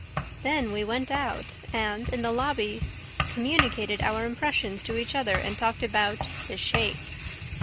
Then we went out and, in the lobby, communicated our impressions to each other and talked about 'the shape.'